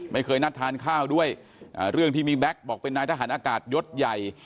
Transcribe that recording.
ไม่เคยนัดทานข้าวด้วยเรื่องที่มีแก๊กบอกเป็นนายทหารอากาศยศใหญ่